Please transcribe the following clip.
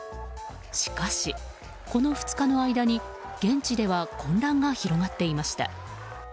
しかし、この２日の間に現地では混乱が広がっていました。